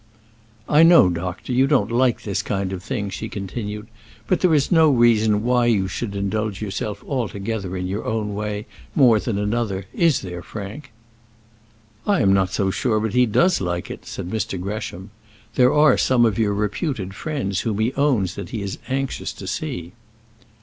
"I know, doctor, you don't like this kind of thing," she continued, "but there is no reason why you should indulge yourself altogether in your own way, more than another is there, Frank?" "I am not so sure but he does like it," said Mr. Gresham. "There are some of your reputed friends whom he owns that he is anxious to see."